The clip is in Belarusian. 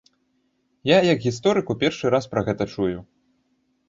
Я, як гісторык, у першы раз пра гэта чую.